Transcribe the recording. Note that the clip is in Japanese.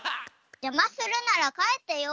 じゃまするならかえってよ！